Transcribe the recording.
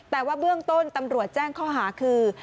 แต่ว่าเบื้องต้นตำรวจแจ้งข้อหาคือ